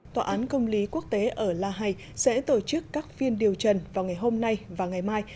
tòa án công lý quốc tế ở la hay sẽ tổ chức các phiên điều trần vào ngày hôm nay và ngày mai